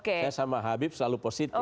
saya sama habib selalu positif